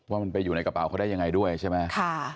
ว่ามันไปอยู่ในกระเป๋าเขาได้ยังไงด้วยใช่ไหม